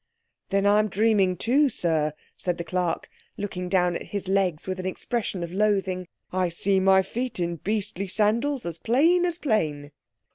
"Then I'm dreaming too, sir," said the clerk, looking down at his legs with an expression of loathing. "I see my feet in beastly sandals as plain as plain."